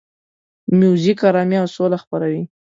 موزیک آرامي او سوله خپروي.